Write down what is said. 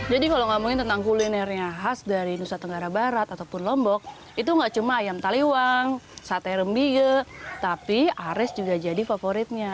jadi kalau ngomongin tentang kulinernya khas dari nusa tenggara barat ataupun lombok itu nggak cuma ayam taliwang satay rembige tapi ares juga jadi favoritnya